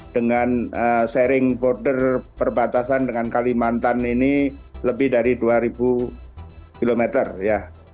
dengan sharing border perbatasan dengan kalimantan ini lebih dari dua ribu kilometer ya